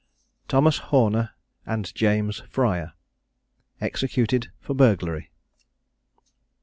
THOMAS HORNER AND JAMES FRYER, EXECUTED FOR BURGLARY.